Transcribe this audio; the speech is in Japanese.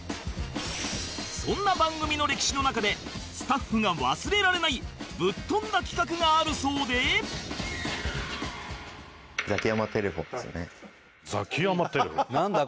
そんな番組の歴史の中でスタッフが忘れられないぶっ飛んだ企画があるそうでなんだ？